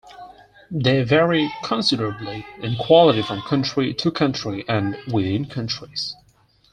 They vary considerably in quality from country to country and within countries.